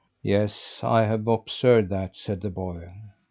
"Yes, I've observed that," said the boy.